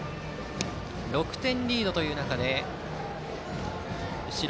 ６点リードの中で後ろ。